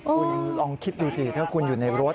คุณลองคิดดูสิถ้าคุณอยู่ในรถ